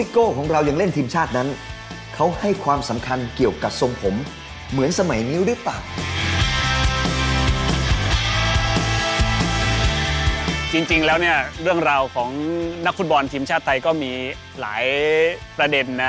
จริงแล้วเนี่ยเรื่องราวของนักฟุตบอลทีมชาติไทยก็มีหลายประเด็นนะ